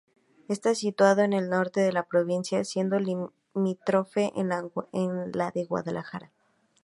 Está situado en el norte de la provincia, siendo limítrofe con la de Guadalajara.